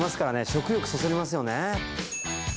食欲そそりますよね。